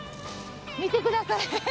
見てください！